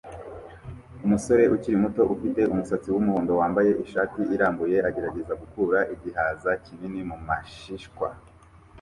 Umusore ukiri muto ufite umusatsi wumuhondo wambaye ishati irambuye agerageza gukura igihaza kinini mumashishwa